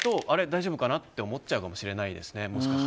大丈夫かな？って思っちゃうかもしれないです。